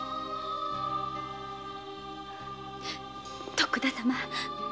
徳田様。